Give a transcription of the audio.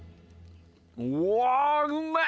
うわうめぇ！